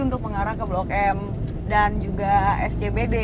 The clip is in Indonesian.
untuk mengarah ke blok m dan juga scbd